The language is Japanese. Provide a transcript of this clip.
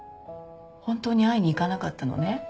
本当に会いに行かなかったのね。